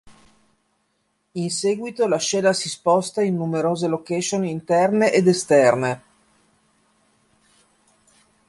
In seguito la scena si sposta in numerose location interne ed esterne.